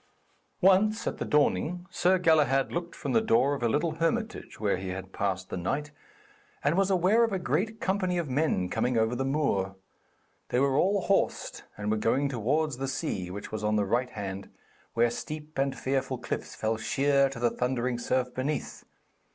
Once, at the dawning, Sir Galahad looked from the door of a little hermitage where he had passed the night, and was aware of a great company of men coming over the moor. They were all horsed, and were going towards the sea, which was on the right hand, where steep and fearful cliffs fell sheer to the thundering surf beneath.